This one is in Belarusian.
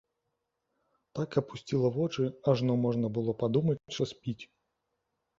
Так апусціла вочы, ажно можна было падумаць, што спіць.